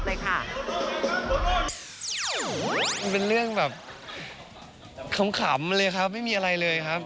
มันเป็นเรื่องแบบขำเลยครับไม่มีอะไรเลยครับ